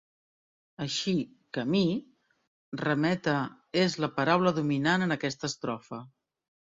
Així, "camí" remet a "és la paraula dominant en aquesta estrofa.